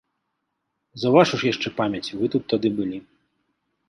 За вашу ж яшчэ памяць, вы тут тады былі.